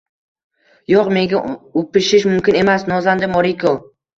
— Yo‘q, menga upishish mumkin emas! — nozlandi Moriko.